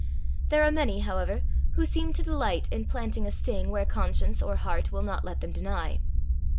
There are many, however, who seem to delight in planting a sting where conscience or heart will not let them deny.